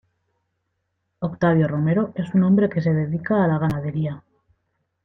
Octavio Romero es un hombre que se dedica a la ganadería.